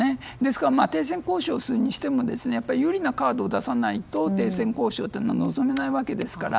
停戦交渉をするにしても有利なカードを出さないと停戦交渉は望めないわけですから。